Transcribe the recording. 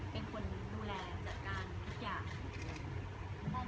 เป็นคนดูแลจัดการทุกอย่าง